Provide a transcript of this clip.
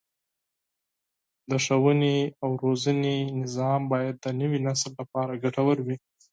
د ښوونې او روزنې سیستم باید د نوي نسل لپاره ګټور وي.